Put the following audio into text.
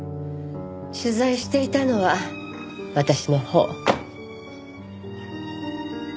取材していたのは私のほう。